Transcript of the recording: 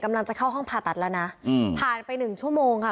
กำลังจะเข้าห้องผ่าตัดแล้วนะอืมผ่านไปหนึ่งชั่วโมงค่ะ